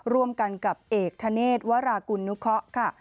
ร่วมกันกับเอกธเนธวรากุลนุเคาะค่ะ